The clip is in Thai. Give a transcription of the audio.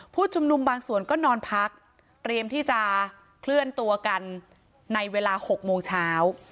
ผู้ชุมนุมบางส่วนก็นอนพักเตรียมที่จะเคลื่อนตัวกันในเวลา๖โมงเช้า